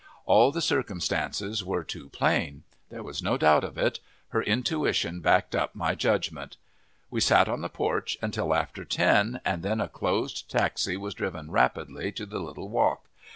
All the circumstances were too plain. There was no doubt of it. Her intuition backed up my judgment. We sat on the porch until after ten, and then a closed taxi was driven rapidly to the little walk.